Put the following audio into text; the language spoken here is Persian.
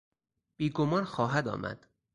بیگمان خواهد آمد.